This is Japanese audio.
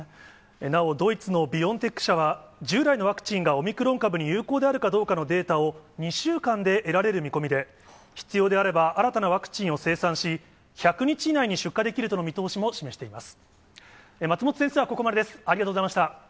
なお、ドイツのビオンテック社は、従来のワクチンがオミクロン株に有効であるかどうかのデータを、２週間で得られる見込みで、必要であれば、新たなワクチンを生産し、１００日以内に出荷できるとの見通しも示しています。